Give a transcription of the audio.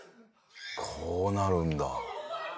こうなるんだ。